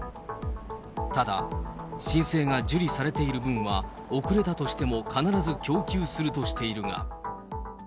ただ、申請が受理されている分は遅れたとしても必ず供給するとしているが。